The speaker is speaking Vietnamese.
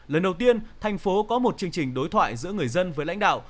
lần đầu tiên tp hcm có một chương trình đối thoại giữa người dân với lãnh đạo